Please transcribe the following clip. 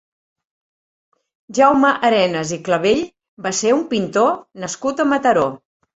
Jaume Arenas i Clavell va ser un pintor nascut a Mataró.